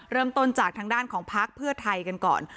เริ่มต้นจากทางด้านของพักเพื่อไทยกันก่อน